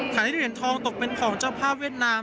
ได้เหรียญทองตกเป็นของเจ้าภาพเวียดนาม